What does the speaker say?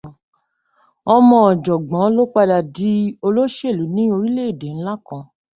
Ọmọ ọ̀jọ̀gbọ́n ló padà di olóṣèlú ní orílẹ̀ èdè ńlá kan.